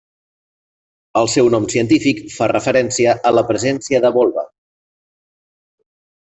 El seu nom científic fa referència a la presència de volva.